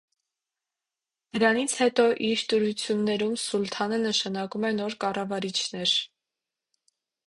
Դրանից հետո իր տիրույթներում սուլթանը նշանակում է նոր կառավարիչներ։